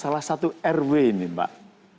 salah satu rw ini mbak